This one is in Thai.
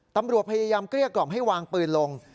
ตำรวจพยายามเกลี้ยกล่อมให้วางปืนลง